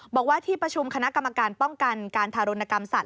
บอกว่าที่ประชุมคณะกรรมการป้องกันการทารุณกรรมสัตว